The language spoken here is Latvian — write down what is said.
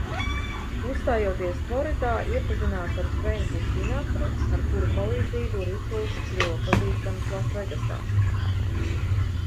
Uzstājoties Floridā, iepazinās ar Frenku Sinatru, ar kura palīdzību Riklss kļuva pazīstams Lasvegasā.